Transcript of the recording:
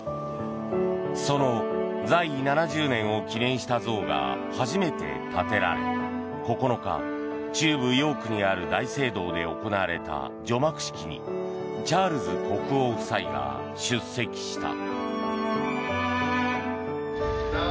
その在位７０年を記念した像が初めて建てられ９日、中部ヨークにある大聖堂で行われた除幕式にチャールズ国王夫妻が出席した。